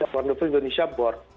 pernah pun indonesia board